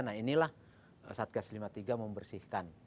nah inilah satgas lima puluh tiga membersihkan